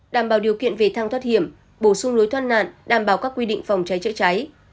đảm bảo điều kiện về thang thoát hiểm bổ sung lối thoát nạn đảm bảo các quy định phòng cháy chữa cháy